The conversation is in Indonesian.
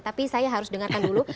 tapi saya harus dengarkan dulu